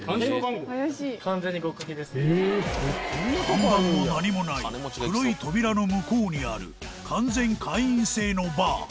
看板も何もない黒い扉の向こうにある完全会員制のバー